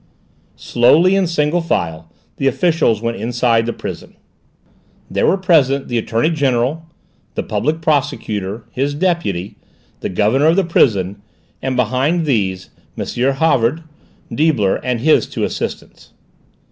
Slowly, in single file, the officials went inside the prison. There were present the Attorney General, the Public Prosecutor, his deputy, the Governor of the prison, and behind these, M. Havard, Deibler, and his two assistants.